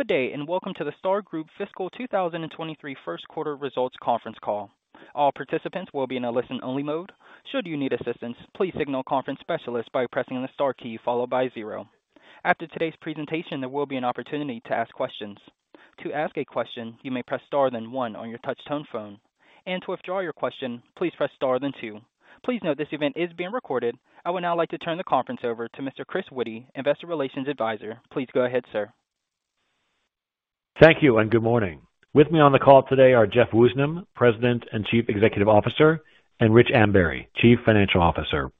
Good day, and welcome to the Star Group Fiscal 2023 First Quarter Results Conference Call. All participants will be in a listen-only mode. Should you need assistance, please signal conference specialist by pressing the star key followed by zero. After today's presentation, there will be an opportunity to ask questions. To ask a question, you may press star then one on your touch tone phone. To withdraw your question, please press star then two. Please note this event is being recorded. I would now like to turn the conference over to Mr. Chris Witty, Investor Relations Advisor. Please go ahead, sir. Thank you and good morning. With me on the call today are Jeff Woosnam, President and Chief Executive Officer, and Rich Ambury, Chief Financial Officer.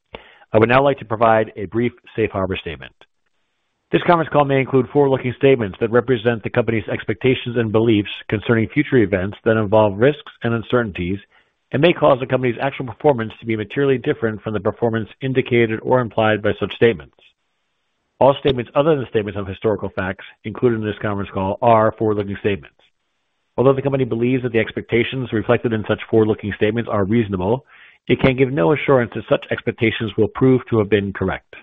I would now like to provide a brief safe harbor statement. This conference call may include forward-looking statements that represent the company's expectations and beliefs concerning future events that involve risks and uncertainties and may cause the company's actual performance to be materially different from the performance indicated or implied by such statements. All statements other than statements of historical facts included in this conference call are forward-looking statements. Although the company believes that the expectations reflected in such forward-looking statements are reasonable, it can give no assurance that such expectations will prove to have been correct.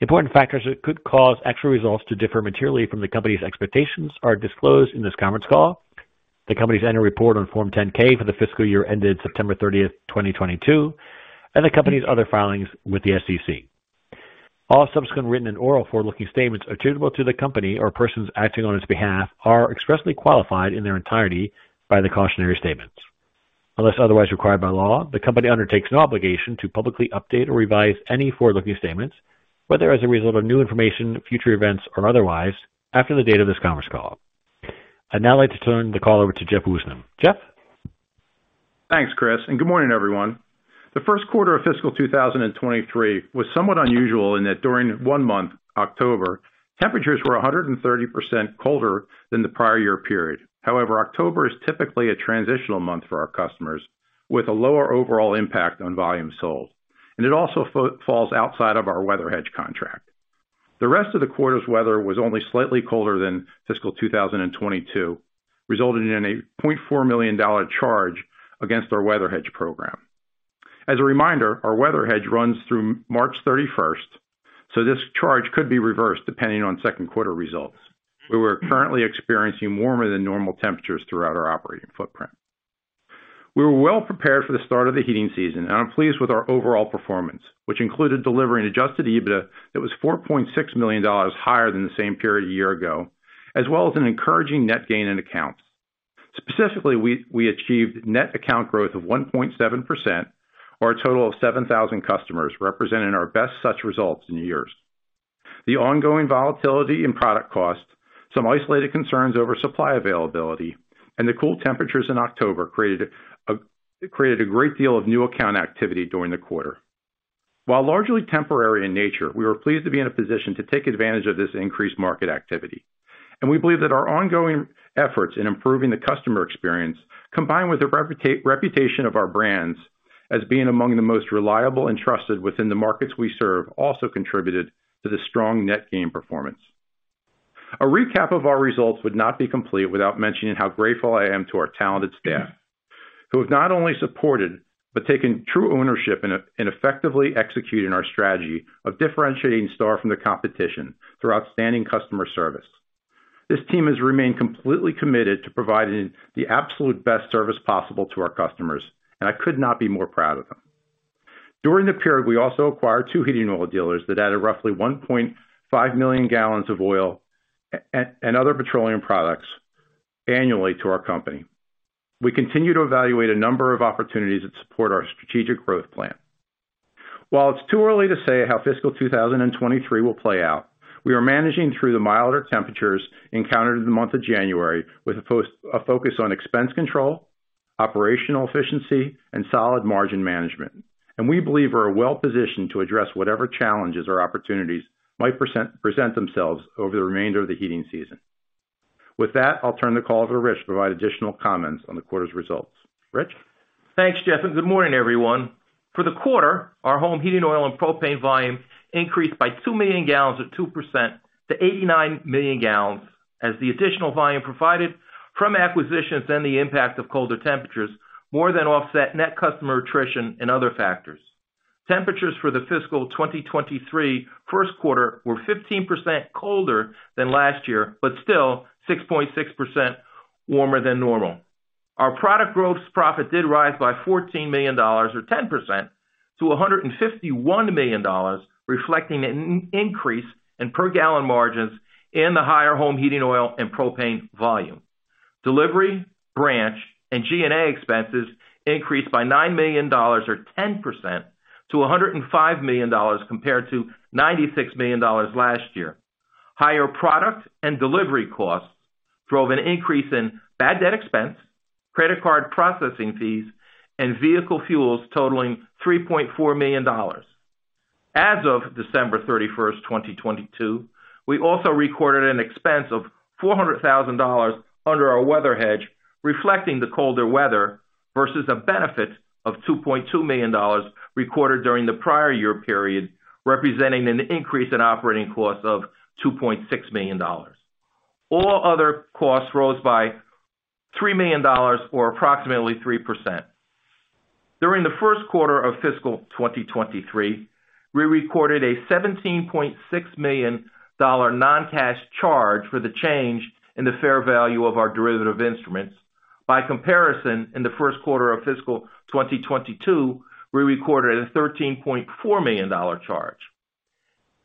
Important factors that could cause actual results to differ materially from the company's expectations are disclosed in this conference call. The company's annual report on Form 10-K for the fiscal year ended September 30, 2022, and the company's other filings with the SEC. All subsequent written and oral forward-looking statements attributable to the company or persons acting on its behalf are expressly qualified in their entirety by the cautionary statements. Unless otherwise required by law, the company undertakes no obligation to publicly update or revise any forward-looking statements, whether as a result of new information, future events, or otherwise after the date of this conference call. I'd now like to turn the call over to Jeff Woosnam. Jeff? Thanks, Chris. Good morning, everyone. The first quarter of fiscal 2023 was somewhat unusual in that during one month, October, temperatures were 130% colder than the prior year period. However, October is typically a transitional month for our customers, with a lower overall impact on volume sold, and it also falls outside of our weather hedge contract. The rest of the quarter's weather was only slightly colder than fiscal 2022, resulting in a $0.4 million charge against our weather hedge program. As a reminder, our weather hedge runs through March 31st, this charge could be reversed depending on second quarter results. We were currently experiencing warmer than normal temperatures throughout our operating footprint. We were well prepared for the start of the heating season. I'm pleased with our overall performance, which included delivering Adjusted EBITDA that was $4.6 million higher than the same period a year ago, as well as an encouraging net gain in accounts. Specifically, we achieved net account growth of 1.7% or a total of 7,000 customers, representing our best such results in years. The ongoing volatility in product costs, some isolated concerns over supply availability, and the cool temperatures in October created a great deal of new account activity during the quarter. While largely temporary in nature, we were pleased to be in a position to take advantage of this increased market activity. We believe that our ongoing efforts in improving the customer experience, combined with the reputation of our brands as being among the most reliable and trusted within the markets we serve, also contributed to the strong net gain performance. A recap of our results would not be complete without mentioning how grateful I am to our talented staff, who have not only supported, but taken true ownership in effectively executing our strategy of differentiating Star from the competition through outstanding customer service. This team has remained completely committed to providing the absolute best service possible to our customers. I could not be more proud of them. During the period, we also acquired two heating oil dealers that added roughly 1.5 million gal of oil and other petroleum products annually to our company. We continue to evaluate a number of opportunities that support our strategic growth plan. While it's too early to say how fiscal 2023 will play out, we are managing through the milder temperatures encountered in the month of January with a focus on expense control, operational efficiency, and solid margin management. We believe we're well positioned to address whatever challenges or opportunities might present themselves over the remainder of the heating season. With that, I'll turn the call to Rich to provide additional comments on the quarter's results. Rich? Thanks, Jeff, and good morning, everyone. For the quarter, our home heating oil and propane volume increased by 2 million gal or 2% to 89 million gal as the additional volume provided from acquisitions and the impact of colder temperatures more than offset net customer attrition and other factors. Temperatures for the fiscal 2023 first quarter were 15% colder than last year, but still 6.6% warmer than normal. Our product gross profit did rise by $14 million or 10% to $151 million, reflecting an increase in per gallon margins in the higher home heating oil and propane volume. Delivery, branch, and G&A expenses increased by $9 million or 10% to $105 million compared to $96 million last year. Higher product and delivery costs drove an increase in bad debt expense, credit card processing fees, and vehicle fuels totaling $3.4 million. As of December 31, 2022, we also recorded an expense of $400,000 under our weather hedge, reflecting the colder weather versus a benefit of $2.2 million recorded during the prior year period, representing an increase in operating costs of $2.6 million. All other costs rose by $3 million or approximately 3%. During the first quarter of fiscal 2023, we recorded a $17.6 million non-cash charge for the change in the fair value of our derivative instruments. By comparison, in the first quarter of fiscal 2022, we recorded a $13.4 million charge.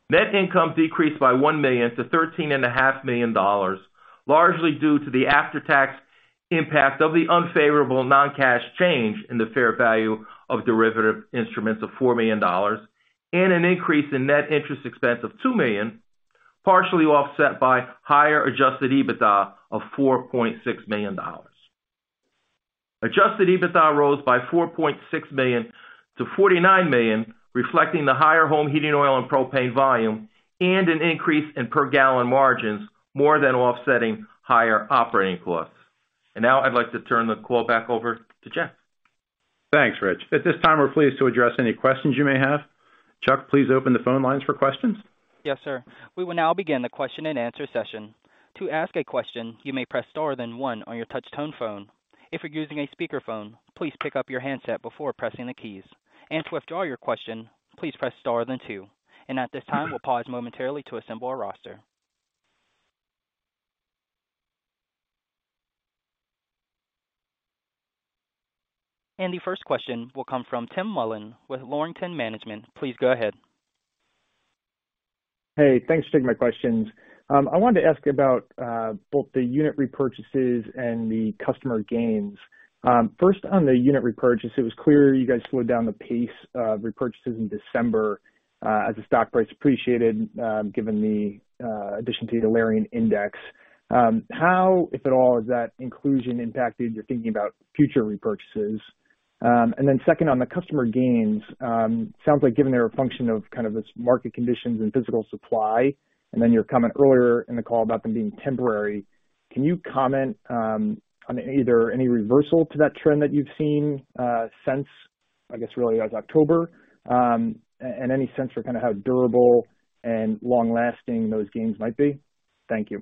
Net income decreased by $1 million to thirteen and a $500,000 dollars, largely due to the after-tax impact of the unfavorable non-cash change in the fair value of derivative instruments of $4 million and an increase in net interest expense of $2 million, partially offset by higher Adjusted EBITDA of $4.6 million. Adjusted EBITDA rose by $4.6 million to $49 million, reflecting the higher home heating oil and propane volume and an increase in per gallon margins, more than offsetting higher operating costs. Now I'd like to turn the call back over to Jeff. Thanks, Rich. At this time, we're pleased to address any questions you may have. Chuck, please open the phone lines for questions. Yes, sir. We will now begin the question-and-answer session. To ask a question, you may press star then one on your touch tone phone. If you're using a speakerphone, please pick up your handset before pressing the keys. To withdraw your question, please press star then two. At this time, we'll pause momentarily to assemble our roster. The first question will come from Tim Mullen with Laurelton Management. Please go ahead. Hey, thanks for taking my questions. I wanted to ask about both the unit repurchases and the customer gains. First on the unit repurchase, it was clear you guys slowed down the pace of repurchases in December as the stock price appreciated given the addition to the Alerian Index. How, if at all, is that inclusion impacted your thinking about future repurchases? Second, on the customer gains, sounds like given they're a function of kind of this market conditions and physical supply, and then your comment earlier in the call about them being temporary, can you comment on either any reversal to that trend that you've seen since, I guess really as October? And any sense for kinda how durable and long lasting those gains might be? Thank you.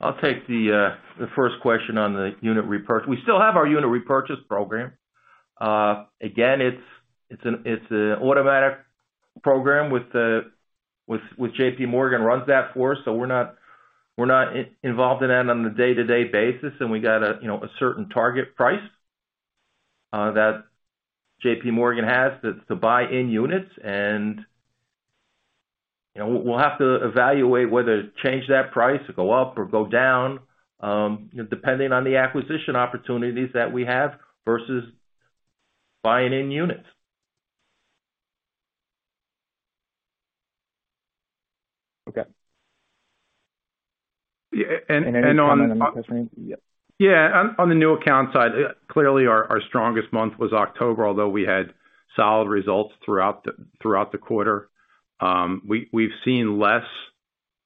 I'll take the first question on the unit repurchase. We still have our unit repurchase program. Again, it's an automatic program with JPMorgan runs that for us, so we're not involved in that on a day-to-day basis. We got a, you know, a certain target price that JPMorgan has to buy in units. You know, we'll have to evaluate whether to change that price to go up or go down, depending on the acquisition opportunities that we have versus buying in units. Okay. Yeah. on- Any comment on the new customers? Yeah. On, on the new account side, clearly our strongest month was October, although we had solid results throughout the, throughout the quarter. We, we've seen less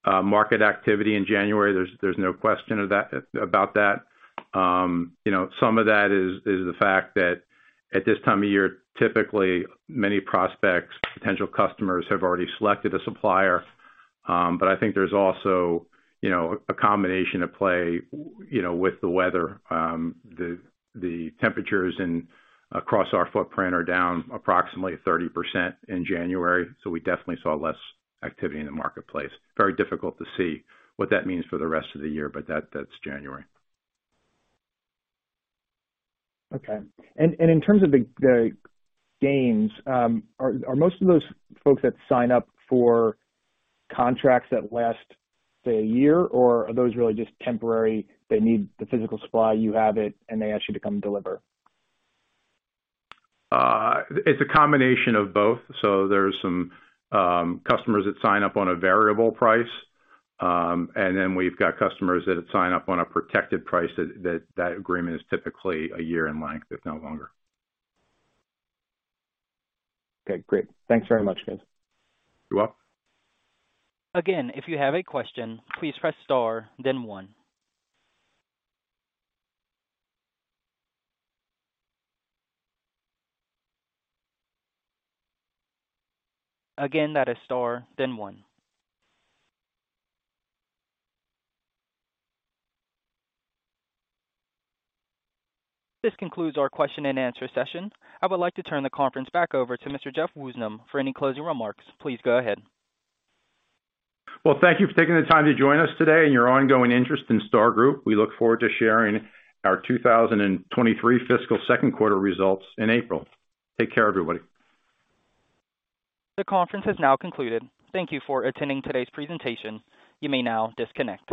market activity in January. There's no question about that. You know, some of that is the fact that at this time of year, typically many prospects, potential customers have already selected a supplier. I think there's also, you know, a combination at play, you know, with the weather. The, the temperatures across our footprint are down approximately 30% in January, so we definitely saw less activity in the marketplace. Very difficult to see what that means for the rest of the year, but that's January. Okay. In terms of the gains, are most of those folks that sign up for contracts that last, say, a year? Or are those really just temporary, they need the physical supply, you have it, and they ask you to come deliver? It's a combination of both. There's some customers that sign up on a variable price, and then we've got customers that sign up on a protected price that agreement is typically a year in length, if not longer. Okay, great. Thanks very much, guys. You're welcome. If you have a question, please press star then one. That is star then one. This concludes our question-and-answer session. I would like to turn the conference back over to Mr. Jeff Woosnam for any closing remarks. Please go ahead. Thank you for taking the time to join us today and your ongoing interest in Star Group. We look forward to sharing our 2023 fiscal second quarter results in April. Take care, everybody. The conference has now concluded. Thank you for attending today's presentation. You may now disconnect.